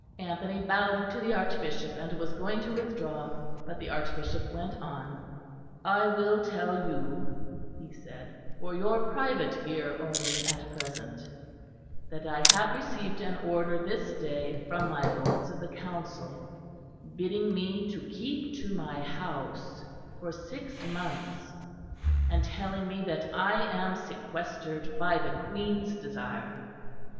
Anthony bowed to the Archbishop, and was going to withdraw, but the Archbishop went on: "I will tell you," he said, "for your private ear only at present, that I have received an order this day from my Lords of the Council, bidding me to keep to my house for six months; and telling me that I am sequestered by the Queen's desire.